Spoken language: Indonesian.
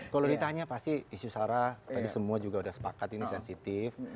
kalau ditanya pasti isu sarah tadi semua juga sudah sepakat ini sensitif